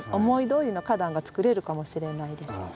思いどおりの花壇がつくれるかもしれないです。